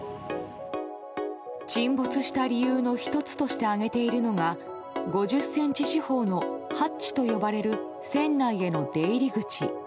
沈没した理由の１つとして挙げているのが５０ｃｍ四方のハッチと呼ばれる船内への出入り口。